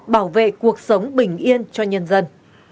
bảo vệ cuộc sống bình yên cho nhân dân